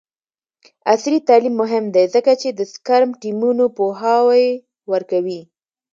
عصري تعلیم مهم دی ځکه چې د سکرم ټیمونو پوهاوی ورکوي.